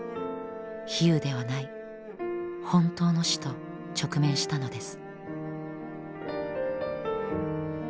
比喩ではない本当の死と直面したのです。